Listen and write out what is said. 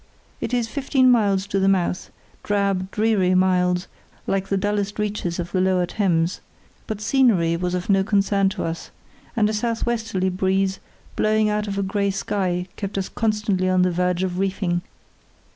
It is fifteen miles to the mouth; drab, dreary miles like the dullest reaches of the lower Thames; but scenery was of no concern to us, and a south westerly breeze blowing out of a grey sky kept us constantly on the verge of reefing.